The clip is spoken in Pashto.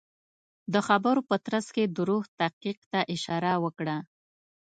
د خبرو په ترڅ کې دروغ تحقیق ته اشاره وکړه.